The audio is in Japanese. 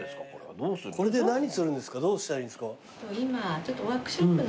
どうしたらいいんですか？